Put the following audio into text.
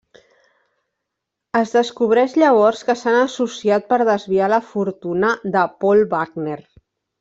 Es descobreix llavors que s'han associat per desviar la fortuna de Paul Wagner.